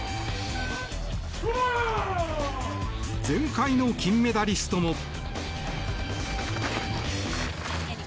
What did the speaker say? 前回の金メダリストも。